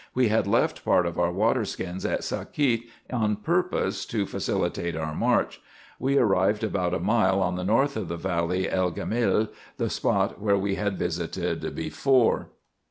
We had left part of our water skins at Sakiet, on purpose to facilitate our march. We arrived about a mile on the north of the valley Ell Gimal, the spot which we had visited before.